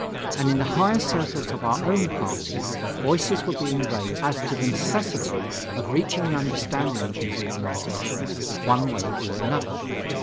And in the higher circles of our own party, voices were being raised as to the necessity of reaching an understanding with these organizations, one way or another.